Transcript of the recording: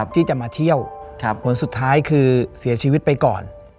ที่จะมาเที่ยวผลสุดท้ายคือเสียชีวิตไปก่อน